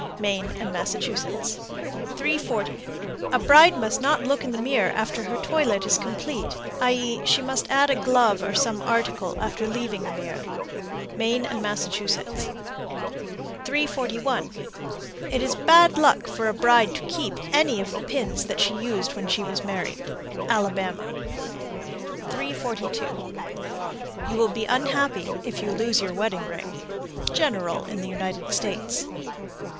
Maine and Massachusetts. 340. A bride must not look in the glass after her toilet is complete, i.e., she must add a glove or some article after leaving the mirror. Maine and Massachusetts. 341. It is bad luck for a bride to keep any of the pins that she used when she was married. Alabama. 342. You will be unhappy if you lose your wedding ring. _General in the United States.